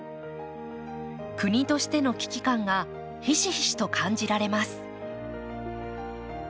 国としての危機感がひしひしと感じられます。